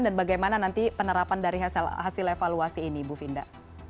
dan bagaimana nanti penerapan dari hasil evaluasi ini ibu finda